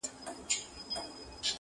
حسن پرست يم د ښکلا تصوير ساتم په زړه کي,